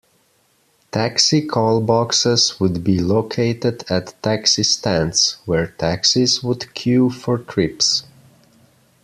Taxi callboxes would be located at taxi stands, where taxis would queue for trips.